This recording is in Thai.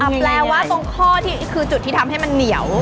แปลว่าตรงข้อที่คือจุดที่ทำให้มันเหนียว